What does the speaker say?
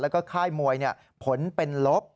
แล้วก็ค่ายมวยผลเป็นลบ